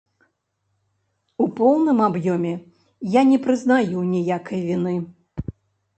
У поўным аб'ёме я не прызнаю ніякай віны.